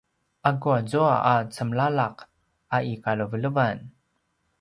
’aku azua a cemlala’ a i kalevelevan?